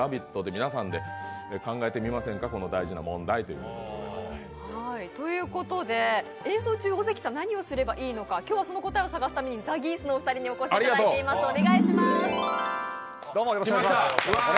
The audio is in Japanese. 皆さんで考えてみませんか、この大事な問題ということで。ということで演奏中、尾関さんは何をしたらいいのか今日はその答えを探すためにザ・ギースのお二人にお越しいただいています。